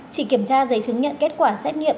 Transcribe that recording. chỉ kiểm tra giấy chứng nhận kết quả xét nghiệm